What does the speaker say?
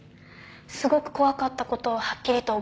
すごく怖かった事をはっきりと覚えています。